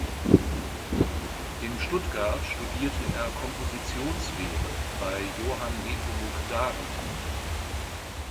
In Stuttgart studierte er Kompositionslehre bei Johann Nepomuk David.